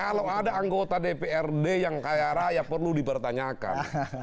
kalau ada anggota dprd yang kaya raya perlu dipertanyakan